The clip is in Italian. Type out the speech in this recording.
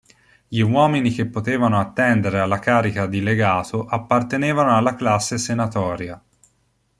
Gli uomini che potevano attendere alla carica di legato appartenevano alla classe senatoria.